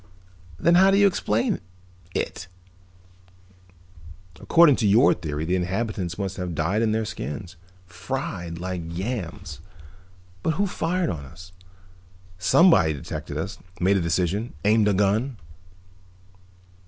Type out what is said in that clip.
"Then how do you explain it? According to your theory the inhabitants must have died in their skins, fried like yams. But who fired on us? Somebody detected us, made a decision, aimed a gun."